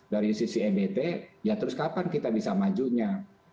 dari sisi ebt ya terus kapan kita bisa majunya